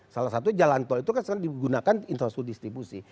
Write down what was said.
salah satu jalan tol itu kan sekarang digunakan infrastruktur distribusi